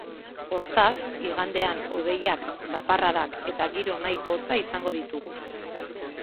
Hortaz, igandean hodeiak, zaparradak eta giro nahiko hotza izango ditugu.